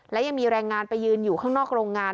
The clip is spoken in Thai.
และยังมีแรงงานไปยืนอยู่ข้างนอกโรงงาน